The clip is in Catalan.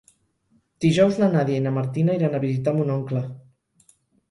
Dijous na Nàdia i na Martina iran a visitar mon oncle.